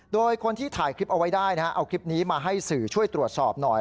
โดยคนที่ถ่ายคลิปเอาไว้ได้นะฮะเอาคลิปนี้มาให้สื่อช่วยตรวจสอบหน่อย